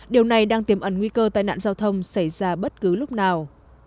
điều này đang tiềm ẩn nguy cơ tai nạn giao thông xảy ra bất cứ lúc nào